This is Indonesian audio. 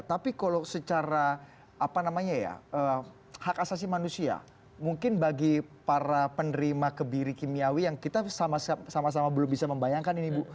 tapi kalau secara apa namanya ya hak asasi manusia mungkin bagi para penerima kebiri kimiawi yang kita sama sama belum bisa membayangkan ini bu